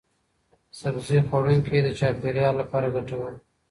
سبزي خوړونکي د چاپیریال لپاره ګټور دي.